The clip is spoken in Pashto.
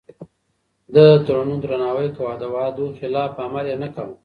ده د تړونونو درناوی کاوه او د وعدو خلاف عمل يې نه کاوه.